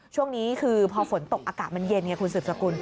ช่วงนี้คือพอฝนตกอากาศมันเย็นไงคุณสืบสกุล